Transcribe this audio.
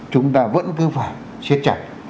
chúng ta vẫn cứ phải siết chặt